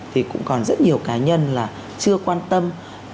thì cũng còn rất nhiều cá nhân là chưa quan tâm